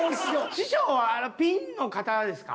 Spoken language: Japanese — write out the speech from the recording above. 師匠はピンの方ですか？